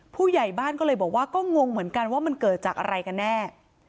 ผู้ใหญ่บ้านก็เลยบอกว่าเกิดจากอะไรกันแน่